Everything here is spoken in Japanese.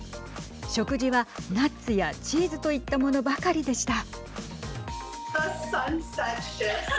食事は、ナッツやチーズといったものばかりでした。